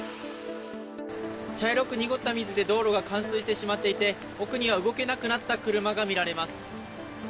茶色く濁った水で道路が冠水してしまっていて、奥には動けなくなった車が見られます。